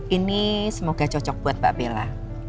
ini semoga cocok buat mbak bella